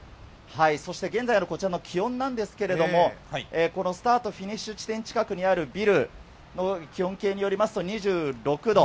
そして現在のこちらの気温なんですけれども、このスタート・フィニッシュ地点近くにあるビルの気温計によりますと、２６度。